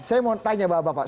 saya mau tanya bapak bapak